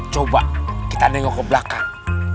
coba kita nengok ke belakang